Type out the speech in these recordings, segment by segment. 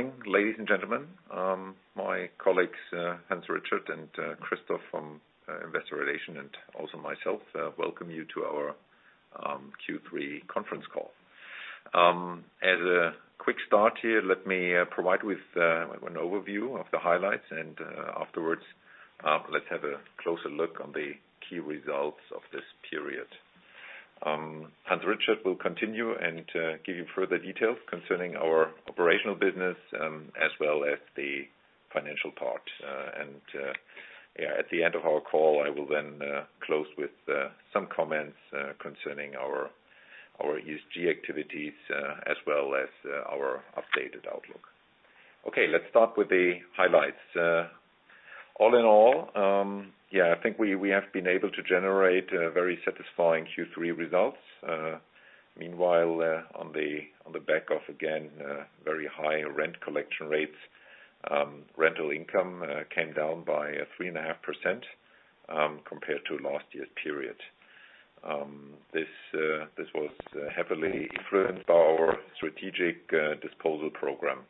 Morning, ladies and gentlemen. My colleagues, Hans-Richard and Christoph from Investor Relations and also myself welcome you to our Q3 conference call. As a quick start here, let me provide with an overview of the highlights and afterwards, let's have a closer look on the key results of this period. Hans-Richard will continue and give you further details concerning our operational business, as well as the financial part. At the end of our call, I will then close with some comments concerning our ESG activities, as well as our updated outlook. Okay, let's start with the highlights. All in all, I think we have been able to generate very satisfying Q3 results. Meanwhile, on the back of, again, very high rent collection rates, rental income came down by 3.5% compared to last year's period. This was heavily influenced by our strategic disposal program.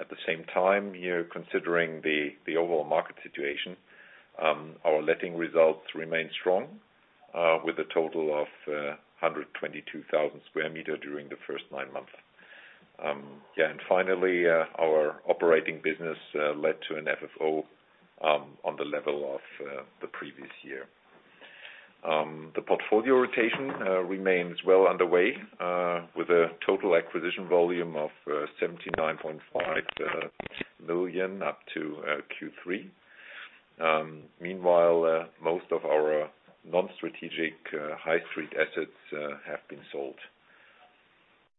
At the same time, you know, considering the overall market situation, our letting results remain strong with a total of 122,000 sq m during the first nine months. Finally, our operating business led to an FFO on the level of the previous year. The portfolio rotation remains well underway with a total acquisition volume of 79.5 million up to Q3. Meanwhile, most of our non-strategic high street assets have been sold.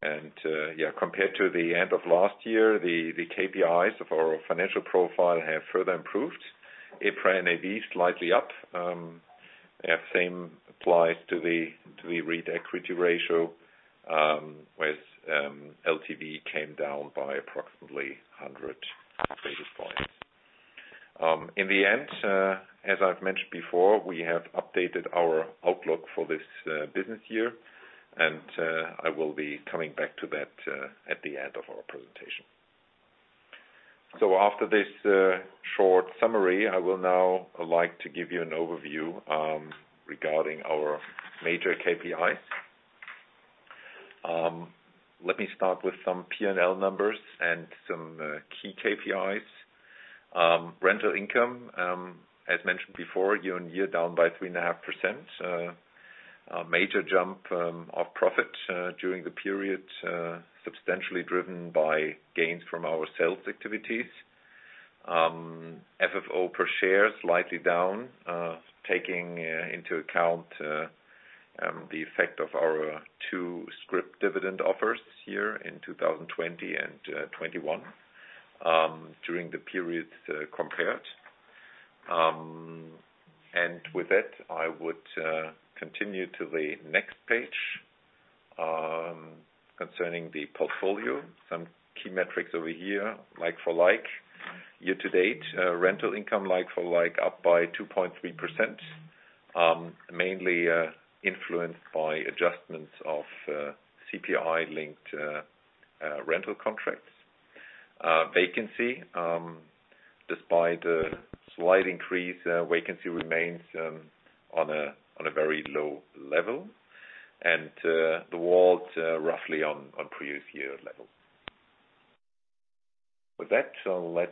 Compared to the end of last year, the KPIs of our financial profile have further improved. EPRA NAV is slightly up. Same applies to the REIT equity ratio, with LTV came down by approximately 100 basis points. In the end, as I've mentioned before, we have updated our outlook for this business year, and I will be coming back to that at the end of our presentation. After this short summary, I will now like to give you an overview regarding our major KPIs. Let me start with some P&L numbers and some key KPIs. Rental income, as mentioned before, year-on-year down by 3.5%. A major jump of profit during the period substantially driven by gains from our sales activities. FFO per share slightly down, taking into account the effect of our two scrip dividend offers this year in 2020 and 2021 during the period compared. With that, I would continue to the next page concerning the portfolio. Some key metrics over here, like for like. Year to date, rental income like for like up by 2.3%, mainly influenced by adjustments of CPI-linked rental contracts. Vacancy, despite a slight increase, remains on a very low level. The WAULT roughly on previous year level. With that, let's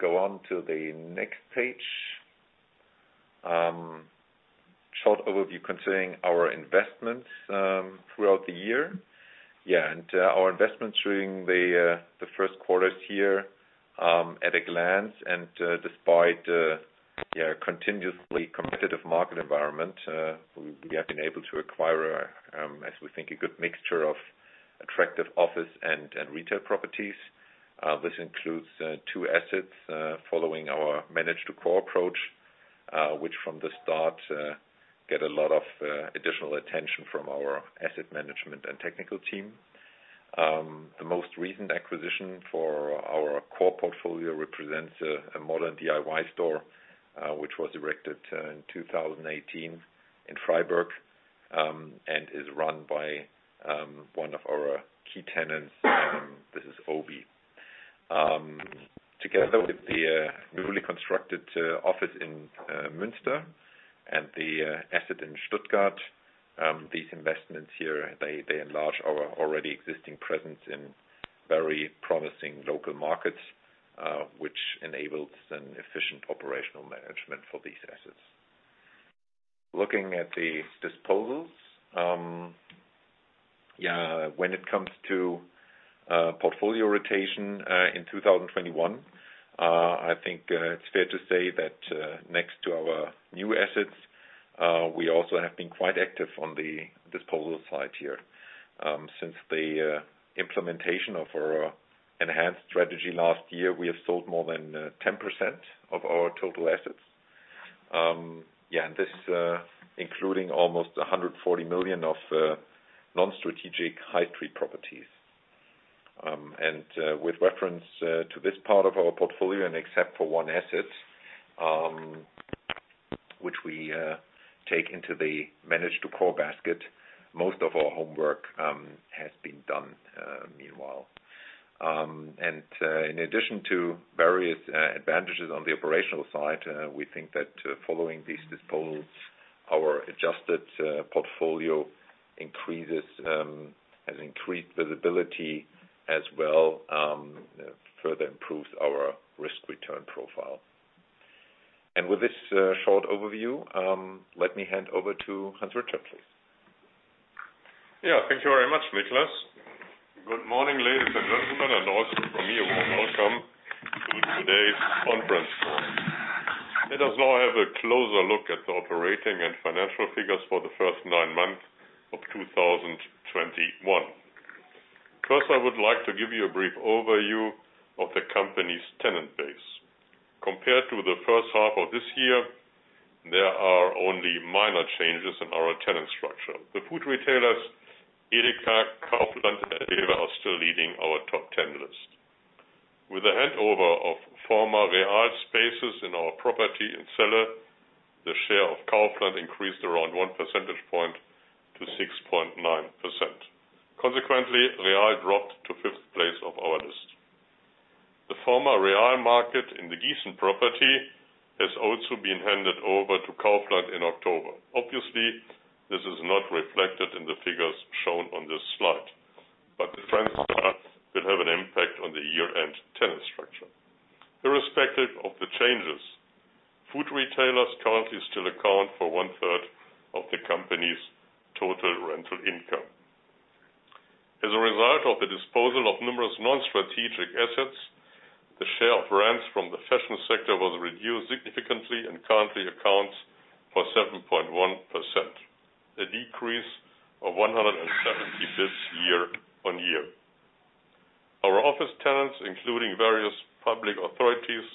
go on to the next page. Short overview concerning our investments throughout the year. Yeah, our investments during the first quarters here at a glance. Despite continuously competitive market environment, we have been able to acquire, as we think, a good mixture of attractive office and retail properties. This includes two assets following our manage-to-core approach, which from the start get a lot of additional attention from our asset management and technical team. The most recent acquisition for our core portfolio represents a modern DIY store, which was erected in 2018 in Freiburg and is run by one of our key tenants, this is OBI. Together with the newly constructed office in Münster and the asset in Stuttgart, these investments here enlarge our already existing presence in very promising local markets, which enables an efficient operational management for these assets. Looking at the disposals, when it comes to portfolio rotation, in 2021, I think it's fair to say that next to our new assets, we also have been quite active on the disposal side here. Since the implementation of our enhanced strategy last year, we have sold more than 10% of our total assets. This, including almost 140 million of non-strategic high street properties. With reference to this part of our portfolio and except for one asset, which we take into the manage-to-core basket. Most of our homework has been done meanwhile. In addition to various advantages on the operational side, we think that following these disposals, our adjusted portfolio has increased visibility as well, further improves our risk-return profile. With this short overview, let me hand over to Hans Richard Schmitz. Yeah. Thank you very much, Niclas. Good morning, ladies and gentlemen, and also from me a warm welcome to today's conference call. Let us now have a closer look at the operating and financial figures for the first nine months of 2021. First, I would like to give you a brief overview of the company's tenant base. Compared to the first half of this year, there are only minor changes in our tenant structure. The food retailers, EDEKA, Kaufland, and REWE are still leading our top ten list. With the handover of former Real spaces in our property in Celle, the share of Kaufland increased around 1 percentage point to 6.9%. Consequently, Real dropped to fifth place of our list. The former Real market in the Gießen property has also been handed over to Kaufland in October. Obviously, this is not reflected in the figures shown on this slide, but the trends will have an impact on the year-end tenant structure. Irrespective of the changes, food retailers currently still account for 1/3 of the company's total rental income. As a result of the disposal of numerous non-strategic assets, the share of rents from the fashion sector was reduced significantly and currently accounts for 7.1%, a decrease of 75% year-on-year. Our office tenants, including various public authorities,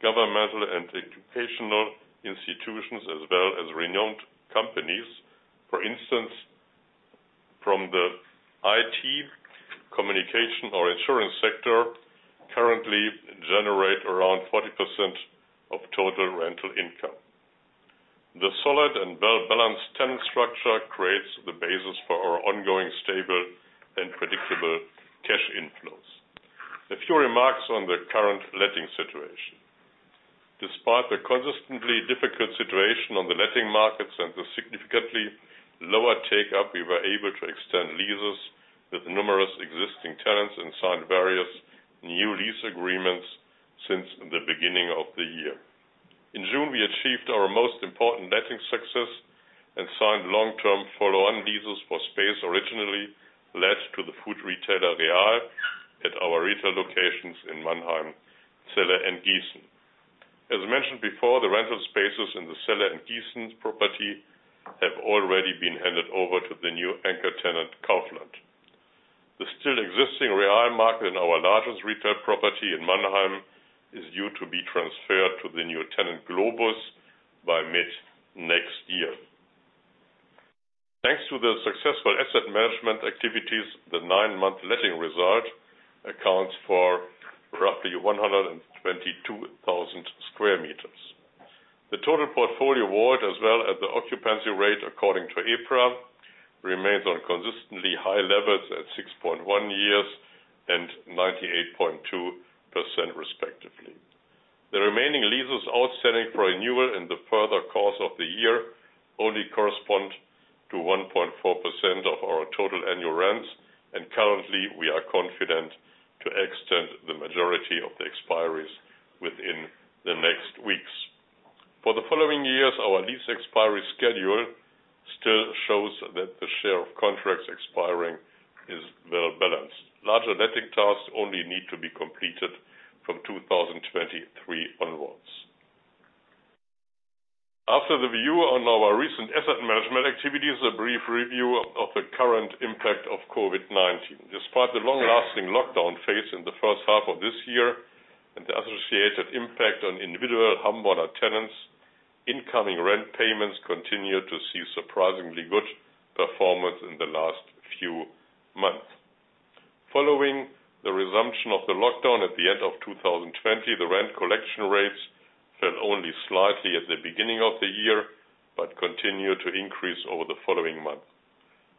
governmental and educational institutions, as well as renowned companies, for instance, from the IT communication or insurance sector, currently generate around 40% of total rental income. The solid and well-balanced tenant structure creates the basis for our ongoing stable and predictable cash inflows. A few remarks on the current letting situation. Despite the consistently difficult situation on the letting markets and the significantly lower take-up, we were able to extend leases with numerous existing tenants and signed various new lease agreements since the beginning of the year. In June, we achieved our most important letting success and signed long-term follow-on leases for space originally let to the food retailer, real, at our retail locations in Mannheim, Celle, and Gießen. As mentioned before, the rental spaces in the Celle and Gießen property have already been handed over to the new anchor tenant, Kaufland. The still existing real market in our largest retail property in Mannheim is due to be transferred to the new tenant, Globus, by mid next year. Thanks to the successful asset management activities, the nine-month letting result accounts for roughly 122,000 sq m. The total portfolio WAULT, as well as the occupancy rate according to EPRA, remains at consistently high levels at 6.1 years and 98.2%, respectively. The remaining leases outstanding for renewal in the further course of the year only correspond to 1.4% of our total annual rents, and currently, we are confident to extend the majority of the expiries within the next weeks. For the following years, our lease expiry schedule still shows that the share of contracts expiring is well-balanced. Larger letting tasks only need to be completed from 2023 onwards. After the view on our recent asset management activities, a brief review of the current impact of COVID-19. Despite the long-lasting lockdown phase in the first half of this year and the associated impact on individual Hamburg tenants, incoming rent payments continued to see surprisingly good performance in the last few months. Following the resumption of the lockdown at the end of 2020, the rent collection rates fell only slightly at the beginning of the year, but continued to increase over the following months,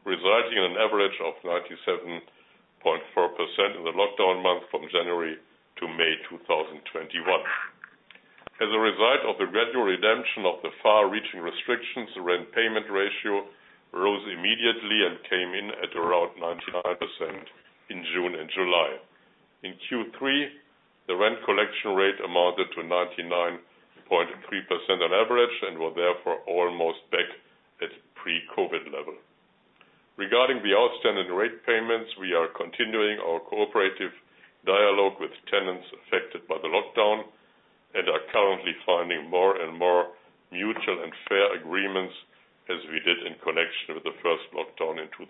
resulting in an average of 97.4% in the lockdown months from January to May 2021. As a result of the gradual removal of the far-reaching restrictions, the rent payment ratio rose immediately and came in at around 95% in June and July. In Q3, the rent collection rate amounted to 99.3% on average and was therefore almost back at pre-COVID level. Regarding the outstanding rent payments, we are continuing our cooperative dialogue with tenants affected by the lockdown and are currently finding more and more mutual and fair agreements as we did in connection with the first lockdown in 2020.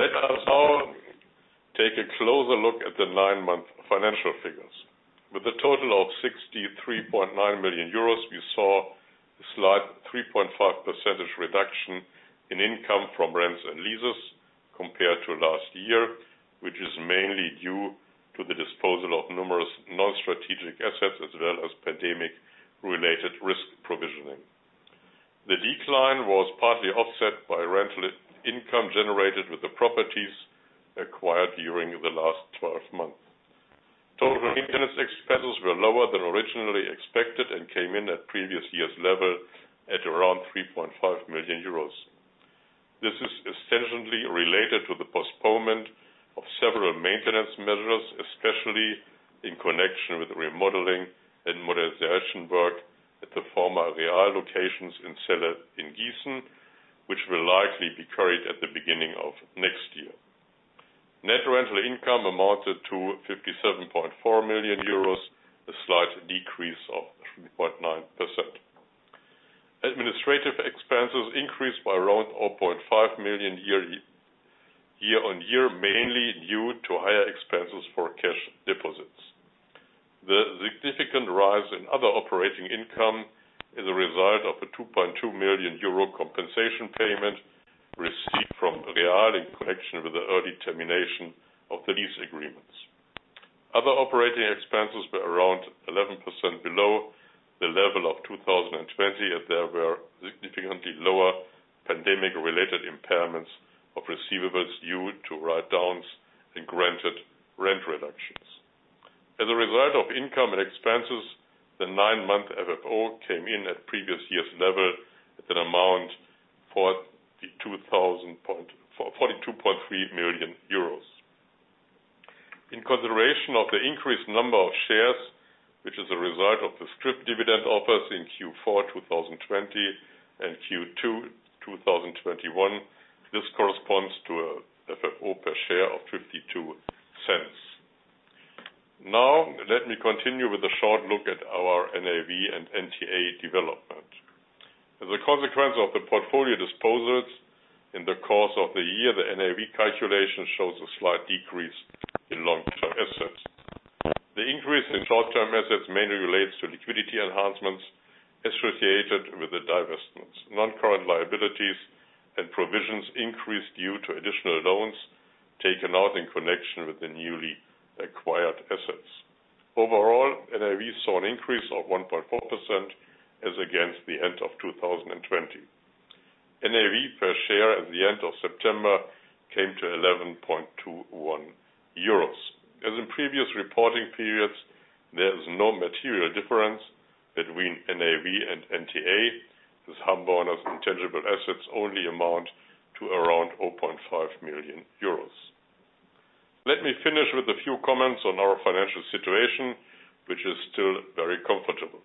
Let us now take a closer look at the nine-month financial figures. With a total of 63.9 million euros, we saw 3.5% reduction in income from rents and leases compared to last year, which is mainly due to the disposal of numerous non-strategic assets as well as pandemic related risk provisioning. The decline was partly offset by rental income generated with the properties acquired during the last twelve months. Total maintenance expenses were lower than originally expected and came in at previous year's level at around 3.5 million euros. This is essentially related to the postponement of several maintenance measures, especially in connection with remodeling and modernization work at the former real locations in Celle in Gießen, which will likely be carried out at the beginning of next year. Net rental income amounted to 57.4 million euros, a slight decrease of 3.9%. Administrative expenses increased by around 0.5 million, year-on-year, mainly due to higher expenses for cash deposits. The significant rise in other operating income is a result of a 2.2 million euro compensation payment received from real in connection with the early termination of the lease agreements. Other operating expenses were around 11% below the level of 2020, as there were significantly lower pandemic-related impairments of receivables due to write-downs in granted rent reductions. As a result of income and expenses, the nine-month FFO came in at previous year's level at an amount 42.3 million euros. In consideration of the increased number of shares, which is a result of the scrip dividend offers in Q4 2020 and Q2 2021, this corresponds to a FFO per share of 0.52. Now, let me continue with a short look at our NAV and NTA development. As a consequence of the portfolio disposals in the course of the year, the NAV calculation shows a slight decrease in long-term assets. The increase in short-term assets mainly relates to liquidity enhancements associated with the divestments. Non-current liabilities and provisions increased due to additional loans taken out in connection with the newly acquired assets. Overall, NAV saw an increase of 1.4% as against the end of 2020. NAV per share at the end of September came to 11.21 euros. As in previous reporting periods, there is no material difference between NAV and NTA, as Hamborner's intangible assets only amount to around 0.5 million euros. Let me finish with a few comments on our financial situation, which is still very comfortable.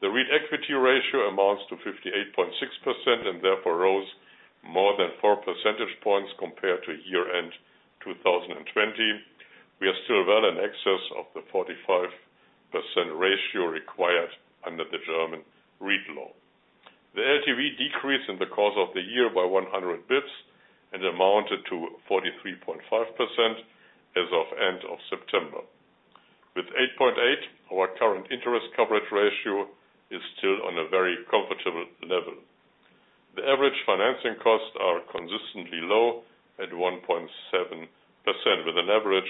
The REIT equity ratio amounts to 58.6%, and therefore rose more than 4 percentage points compared to year-end 2020. We are still well in excess of the 45% ratio required under the German REIT law. The LTV decreased in the course of the year by 100 basis points and amounted to 43.5% as of end of September. With 8.8, our current interest coverage ratio is still on a very comfortable level. The average financing costs are consistently low at 1.7%, with an average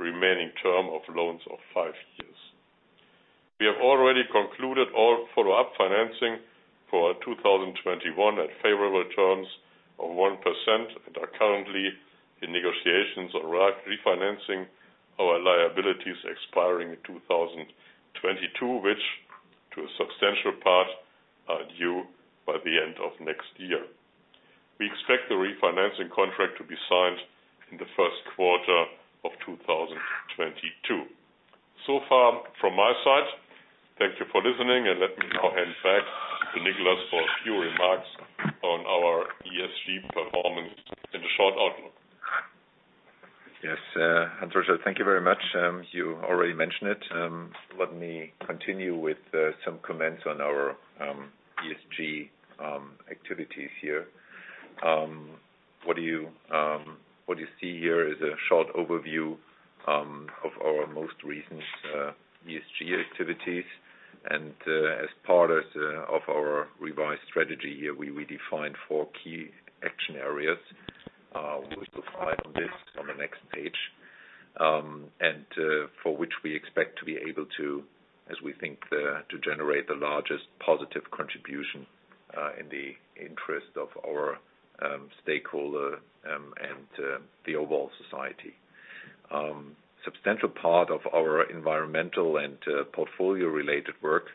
remaining term of loans of five years. We have already concluded all follow-up financing for 2021 at favorable terms of 1% and are currently in negotiations on re-refinancing our liabilities expiring in 2022, which to a substantial part are due by the end of next year. We expect the refinancing contract to be signed in the first quarter of 2022. So far from my side, thank you for listening, and let me now hand back to Niclas for a few remarks on our ESG performance in the short outlook. Yes, Hans, thank you very much. You already mentioned it, let me continue with some comments on our ESG activities here. What you see here is a short overview of our most recent ESG activities. As part of our revised strategy here, we defined four key action areas, which you'll find on the next page, and for which we expect to be able to, as we think, to generate the largest positive contribution in the interest of our stakeholder and the overall society. Substantial part of our environmental and portfolio-related work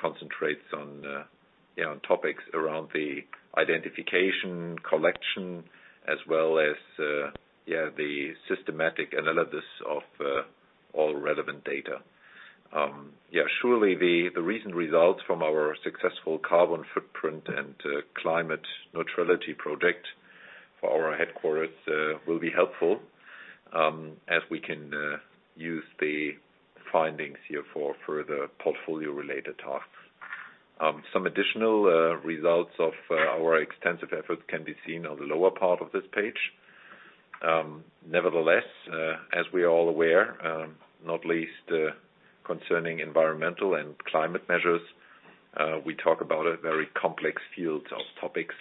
concentrates on, you know, topics around the identification, collection, as well as the systematic analysis of all relevant data. Surely the recent results from our successful carbon footprint and climate neutrality project for our headquarters will be helpful, as we can use the findings here for further portfolio-related tasks. Some additional results of our extensive efforts can be seen on the lower part of this page. Nevertheless, as we are all aware, not least concerning environmental and climate measures, we talk about a very complex field of topics,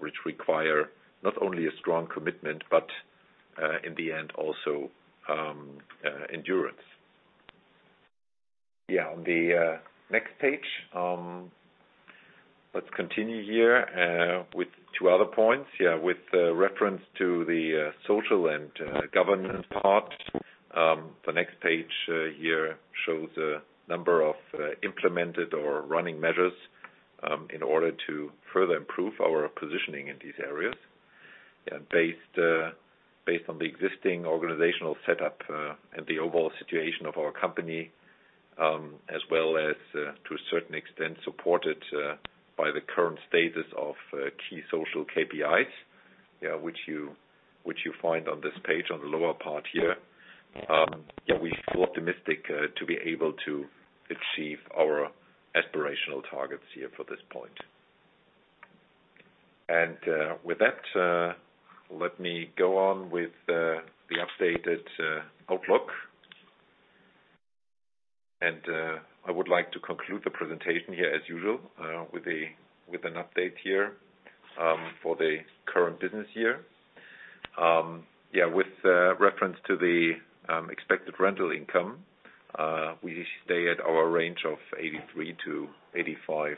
which require not only a strong commitment, but in the end, also endurance. Yeah. On the next page, let's continue here with two other points. Yeah, with reference to the social and governance part. The next page here shows a number of implemented or running measures in order to further improve our positioning in these areas. Based on the existing organizational setup and the overall situation of our company, as well as to a certain extent supported by the current status of key social KPIs, which you find on this page, on the lower part here. We feel optimistic to be able to achieve our aspirational targets here for this point. With that, let me go on with the updated outlook. I would like to conclude the presentation here as usual with an update here for the current business year. With reference to the expected rental income, we stay at our range of 83-85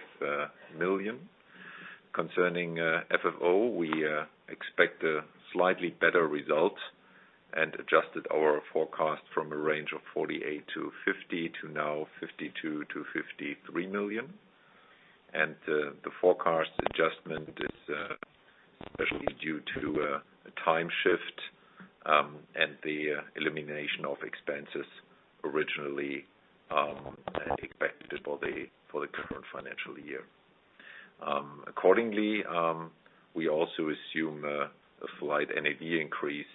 million. Concerning FFO, we expect a slightly better result and adjusted our forecast from a range of 48-50 million to now 52-53 million. The forecast adjustment is especially due to a time shift and the elimination of expenses originally expected for the current financial year. Accordingly, we also assume a slight NAV increase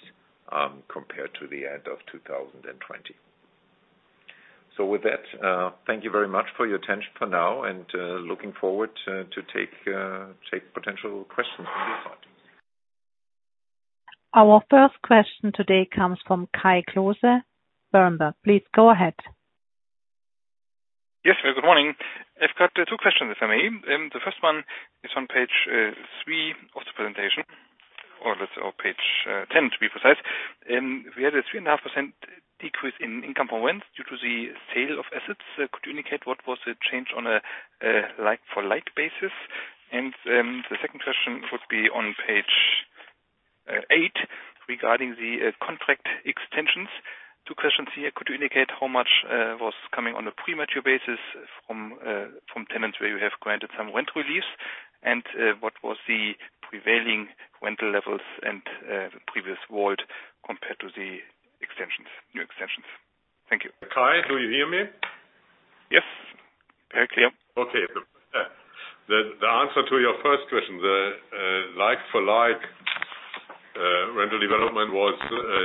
compared to the end of 2020. With that, thank you very much for your attention for now and looking forward to take potential questions on your part. Our first question today comes from Kai Klose, Berenberg. Please go ahead. Yes. Good morning. I've got two questions, if I may. The first one is on page three of the presentation, or that's on page 10 to be precise. We had a 3.5% decrease in income from rent due to the sale of assets. Could you indicate what was the change on a like-for-like basis? The second question would be on page eight regarding the contract extensions. Two questions here. Could you indicate how much was coming on a premature basis from tenants where you have granted some rent relief? What was the prevailing rental levels and the previous value compared to the extensions, new extensions? Thank you. Kai, do you hear me? Yes. Very clear. Okay. The answer to your first question, the like-for-like rental development was a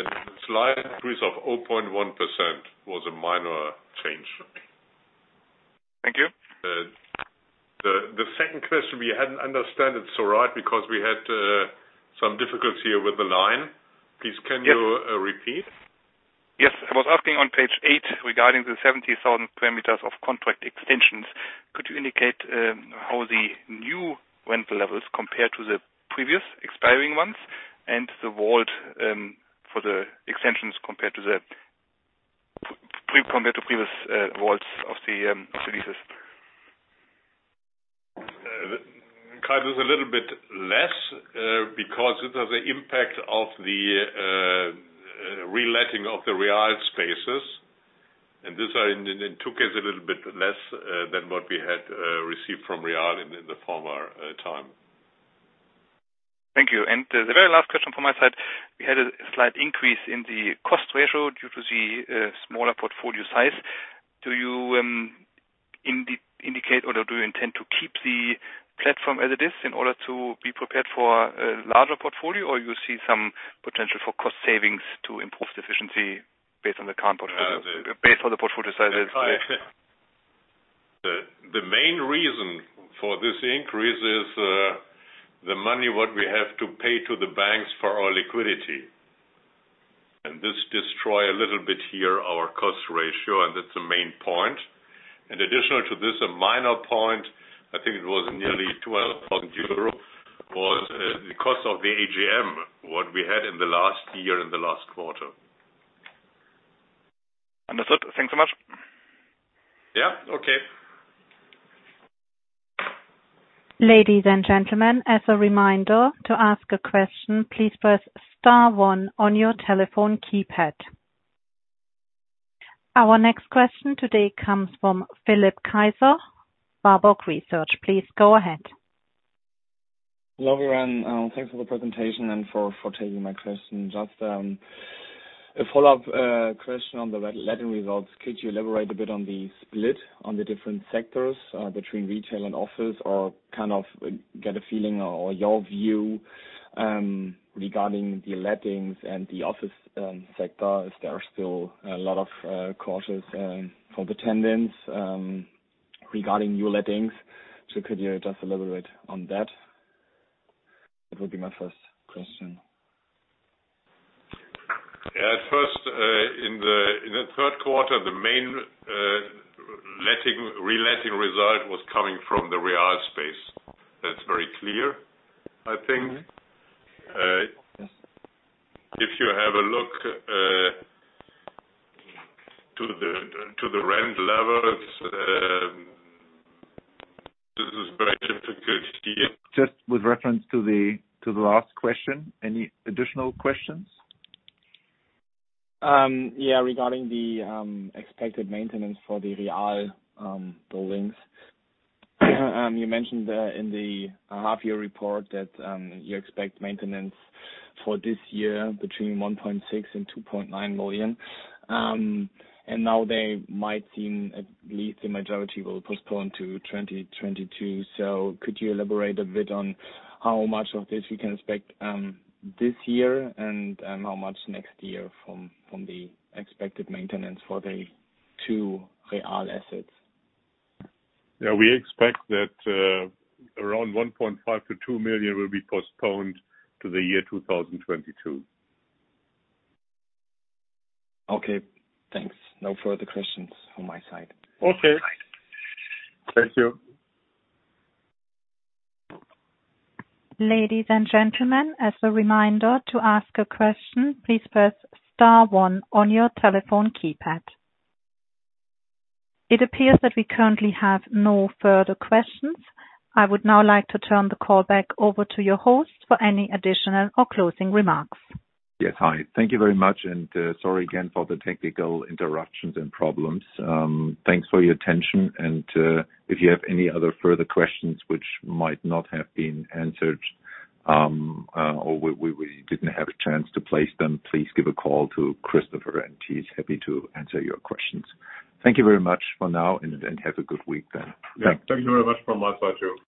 slight increase of 0.1%, a minor change. Thank you. The second question, we hadn't understand it so right because we had some difficulty with the line. Please, can you repeat? Yes. I was asking on page eight regarding the 70,000 parameters of contract extensions. Could you indicate how the new rental levels compare to the previous expiring ones and the value for the extensions compared to the previous values of the leases? Kai, it's a little bit less because of the impact of the re-letting of the Real spaces. This in two cases a little bit less than what we had received from Real in the former time. Thank you. The very last question from my side, we had a slight increase in the cost ratio due to the smaller portfolio size. Do you indicate or do you intend to keep the platform as it is in order to be prepared for a larger portfolio, or you see some potential for cost savings to improve the efficiency based on the current portfolio, based on the portfolio sizes? The main reason for this increase is the money what we have to pay to the banks for our liquidity. This destroy a little bit here our cost ratio, and that's the main point. Additional to this, a minor point, I think it was nearly 12,000 euros, the cost of the AGM what we had in the last year and the last quarter. Understood. Thanks so much. Yeah. Okay. Ladies and gentlemen, as a reminder, to ask a question, please press star one on your telephone keypad. Our next question today comes from Philipp Kaiser, Baader Bank. Please go ahead. Hello, everyone. Thanks for the presentation and for taking my question. Just a follow-up question on the re-letting results. Could you elaborate a bit on the split on the different sectors between retail and office or kind of get a feeling or your view regarding the lettings and the office sector? Is there still a lot of caution from the tenants regarding new lettings? Could you just elaborate on that? That would be my first question. Yeah. At first, in the third quarter, the main letting, reletting result was coming from the real space. That's very clear, I think. Mm-hmm. If you have a look to the rent levels, this is very difficult here. Just with reference to the last question, any additional questions? Yeah, regarding the expected maintenance for the real buildings. You mentioned in the half-year report that you expect maintenance for this year between 1.6 million and 2.9 million. Now they might seem, at least the majority will postpone to 2022. Could you elaborate a bit on how much of this we can expect this year and how much next year from the expected maintenance for the two real assets? Yeah, we expect that around 1.5 million-2 million will be postponed to 2022. Okay, thanks. No further questions on my side. Okay. Thank you. Ladies and gentlemen, as a reminder to ask a question, please press star one on your telephone keypad. It appears that we currently have no further questions. I would now like to turn the call back over to your host for any additional or closing remarks. Yes. Hi, thank you very much. Sorry again for the technical interruptions and problems. Thanks for your attention and if you have any other further questions which might not have been answered, or we didn't have a chance to place them, please give a call to Christoph, and he's happy to answer your questions. Thank you very much for now and have a good week then. Yeah. Thank you very much from my side too.